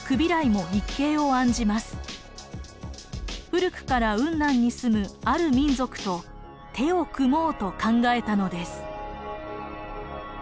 古くから雲南に住むある民族と手を組もうと考えたのです。